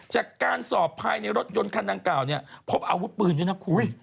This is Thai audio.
จากการสอบภายในรถยนต์คันดังกล่าวเนี่ยพบอาวุธปืนด้วยนะคุณ